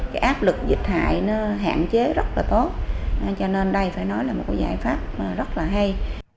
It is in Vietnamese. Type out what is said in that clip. cái áp lực dịch hại nó hạn chế rất là tốt cho nên đây phải nói là một cái giải pháp rất là hay